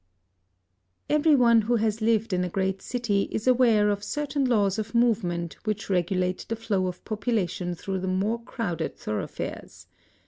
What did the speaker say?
Every one who has lived in a great city is aware of certain laws of movement which regulate the flow of population through the more crowded thoroughfares.